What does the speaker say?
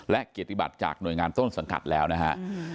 และเกียรติบัติจากหน่วยงานต้นสังกัดแล้วนะฮะ